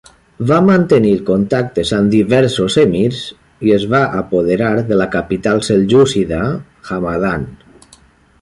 Va mantenir contactes amb diversos emirs i es va apoderar de la capital seljúcida, Hamadan.